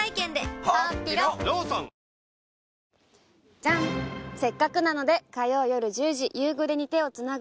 ジャンせっかくなので火曜夜１０時「夕暮れに、手をつなぐ」